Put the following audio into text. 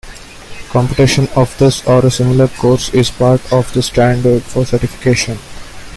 Completion of this, or a similar course, is part of the standards for certification.